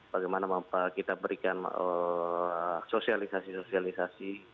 bagaimana kita berikan sosialisasi sosialisasi